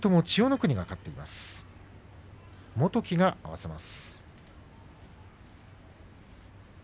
木村元基が合わせます。